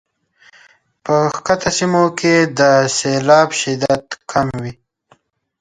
په ښکته سیمو کې د سیلاب شدت کم کړي.